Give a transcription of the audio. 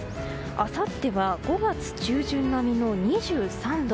あさっては５月中旬並みの２３度。